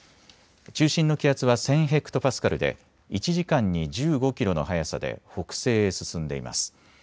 中心の気圧は１０００ｈＰａで１時間に１５キロの速さで北西へ進んでいます。